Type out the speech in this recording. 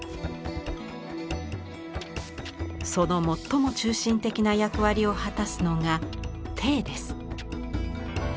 その最も中心的な役割を果たすのが鼎です。